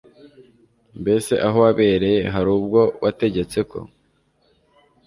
Mbese aho wabereye hari ubwo wategetse ko